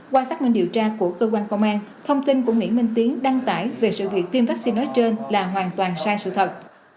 qua xác minh điều tra của cơ quan công an thông tin của nguyễn minh tiến đăng tải về sự việc tiêm vaccine nói trên là hoàn toàn sai sự thật